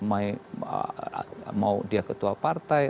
mau dia ketua partai